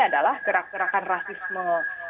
adalah gerakan gerakan rasisme